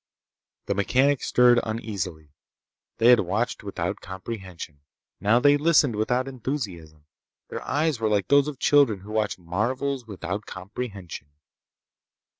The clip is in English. The mechanics stirred uneasily. They had watched without comprehension. Now they listened without enthusiasm. Their eyes were like those of children who watch marvels without comprehension.